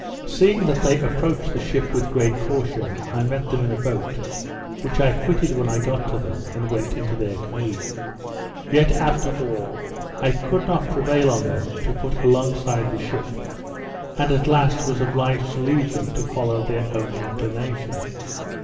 Seeing that they approached the ship with great caution, I met them in a boat, which I quitted when I got to them, and went into their canoe. Yet, after all, I could not prevail on them to put along side the ship, and at last was obliged to leave them to follow their own inclination.